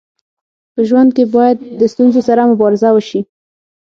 په ژوند کي باید د ستونزو سره مبارزه وسي.